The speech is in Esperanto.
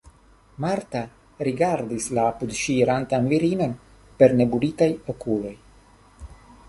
Marta rigardis la apud ŝi irantan virinon per nebulitaj okuloj.